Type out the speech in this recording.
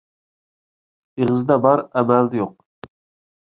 ئېغىزدا بار، ئەمەلدە يوق.